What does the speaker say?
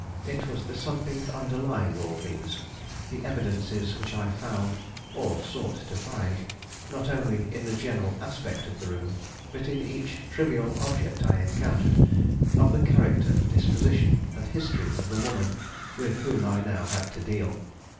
It was the something underlying all these, the evidences which I found, or sought to find, not only in the general aspect of the room, but in each trivial object I encountered, of the character, disposition, and history of the woman with whom I now had to deal.